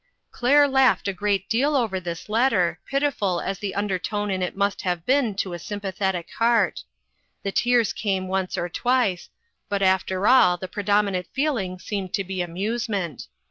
" Claire laughed a great deal over this let ter, pitiful as the undertone in it must have been to a sj r mpathetic heart. The tears came once or twice ; but after all, the pre dominant feeling seemed to be amusement.